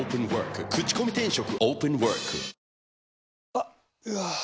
あっ、うわー。